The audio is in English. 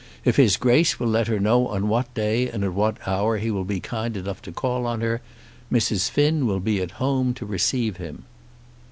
If his Grace will let her know on what day and at what hour he will be kind enough to call on her, Mrs. Finn will be at home to receive him.